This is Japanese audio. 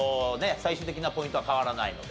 最終的なポイントは変わらないので。